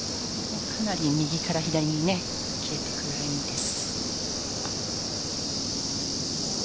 かなり右から左に切れてくるラインです。